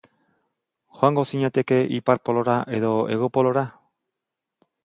Joango zinateke Ipar Polora edo Hego Polora?